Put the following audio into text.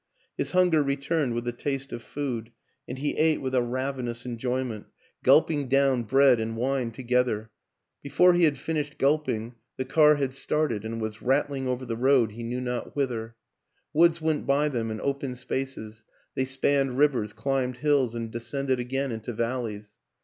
His hunger returned with the taste of food, and he ate with a ravenous enjoyment, gulping down WILLIAM AN ENGLISHMAN 159 bread and wine together; before he had finished gulping the car had started and was rattling over the road, he knew not whither. Woods went by them and open spaces; they spanned rivers, climbed hills and descended again into valleys.